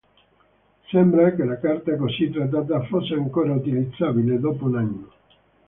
Sembra che la carta così trattata fosse ancora utilizzabile dopo un anno.